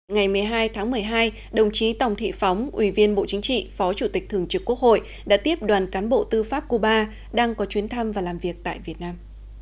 ngày một mươi hai tháng một mươi hai đồng chí tòng thị phóng ủy viên bộ chính trị phó chủ tịch thường trực quốc hội đã tiếp đoàn cán bộ tư pháp cuba đang có chuyến thăm và làm việc tại việt nam